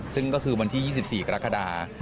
ซึ่งก็คือวันที่๒๔กรกฎา